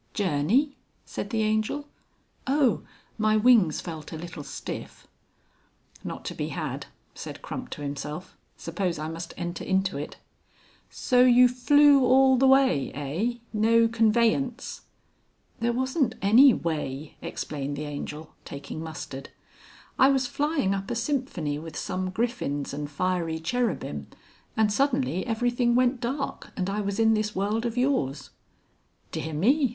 "Journey!" said the Angel. "Oh! my wings felt a little stiff." ("Not to be had,") said Crump to himself. ("Suppose I must enter into it.") "So you flew all the way, eigh? No conveyance?" "There wasn't any way," explained the Angel, taking mustard. "I was flying up a symphony with some Griffins and Fiery Cherubim, and suddenly everything went dark and I was in this world of yours." "Dear me!"